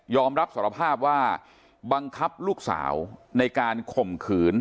รับสารภาพว่าบังคับลูกสาวในการข่มขืน